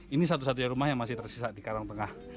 ini satu satunya rumah yang masih tersisa di karangtengah